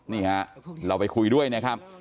นี่ฮะเราไปคุยด้วยนะครับ